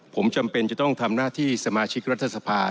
ผมจำเป็นจะต้องทำหน้าที่สมาชิกรัฐสภา